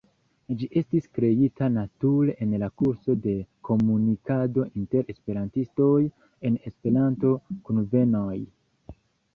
Ĝi estis kreita nature en la kurso de komunikado inter Esperantistoj en Esperanto-kunvenoj.